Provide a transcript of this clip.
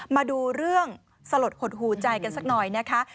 มาดูเรื่องสลดหดหูใจกันสักหน่อยนะคะ